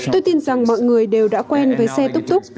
tôi tin rằng mọi người đều đã quen với xe túc túc